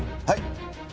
はい！